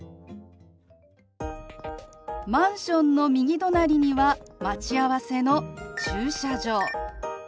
マンションの右隣には待ち合わせの駐車場。